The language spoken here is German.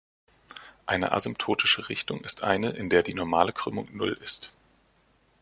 Eine asymptotische Richtung ist eine, in der die normale Krümmung Null ist.